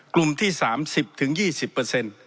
กลุ่มที่๓สิบถึง๒๐